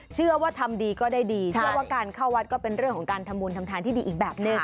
เชื่อว่าทำดีก็ได้ดีเชื่อว่าการเข้าวัดก็เป็นเรื่องของการทำบุญทำทานที่ดีอีกแบบหนึ่ง